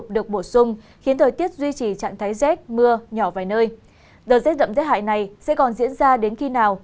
đợt rết rậm rết hại này sẽ còn diễn ra đến khi nào